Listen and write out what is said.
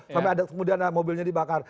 sampai kemudian mobilnya dibakar